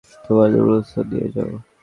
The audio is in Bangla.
তোমার নুডুলসও নিয়ে যাও।